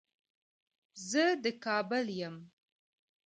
زه د کابل يم